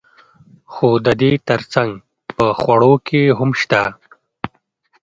خو د دې ترڅنګ په خوړو کې هم شته.